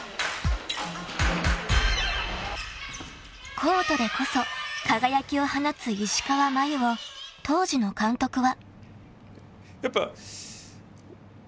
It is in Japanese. ［コートでこそ輝きを放つ石川真佑を当時の監督は］